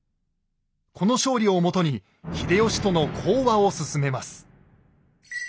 この勝利をもとに秀吉との講和を進めます。